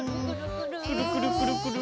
くるくるくるくる！